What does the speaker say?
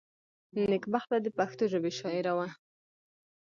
نېکبخته دپښتو ژبي شاعره وه.